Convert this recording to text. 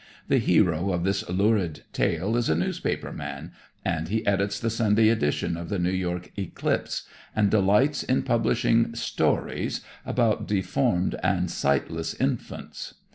The hero of this lurid tale is a newspaper man, and he edits the Sunday edition of the New York "Eclipse," and delights in publishing "stories" about deformed and sightless infants.